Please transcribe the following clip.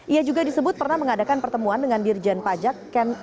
ia juga disebut pernah mengadakan pertemuan dengan dirjen pajak